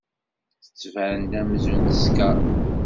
Tettban-d amzun teskeṛ.